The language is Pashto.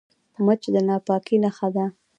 مچ د ناپاکۍ نښه ده